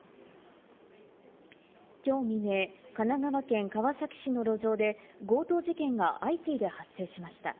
きょう未明、神奈川県川崎市の路上で、強盗事件が相次いで発生しました。